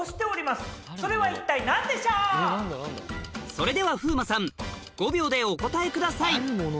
それでは風磨さん５秒でお答えください